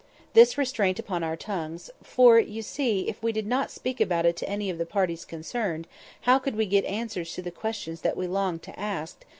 This restraint upon our tongues—for you see if we did not speak about it to any of the parties concerned, how could we get answers to the questions that we longed to ask?